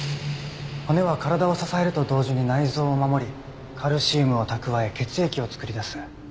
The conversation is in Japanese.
骨は体を支えると同時に内臓を守りカルシウムを蓄え血液を作り出す。